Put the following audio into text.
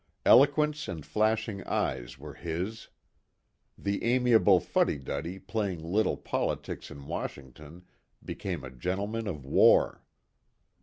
Eloquence and flashing eyes were his. The amiable fuddy duddy playing little politics in Washington became a gentleman of war.